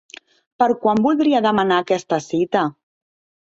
Per quan voldria demanar aquesta cita?